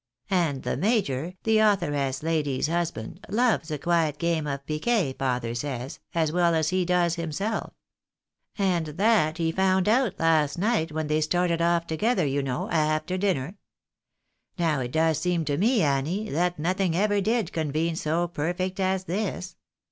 And the major, the authoress lady's husband, loves a quiet game of piquet, father says, as well as he does himself. And that he found out last night when they 68 THE BAENABYS IN AMEEICA. started off together, you know, after dinner. Now it does seem to .me, Annie, that nothing ever did convene so perfect as this.